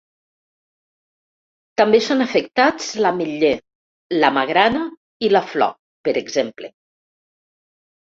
També són afectats l’ametller, la magrana i la flor, per exemple.